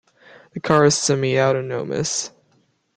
The car was semi-autonomous.